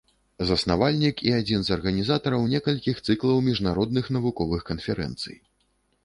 Заснавальнік і адзін з арганізатараў некалькіх цыклаў міжнародных навуковых канферэнцый.